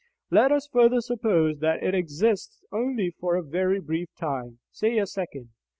Let us further suppose that it exists only for a very brief time, say a second.